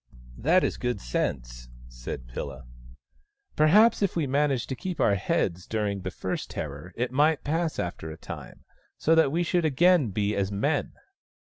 " That is good sense," said Pilla. " Perhaps if we managed to keep our heads during our first terror it might pass after a time, so that we should again be as men."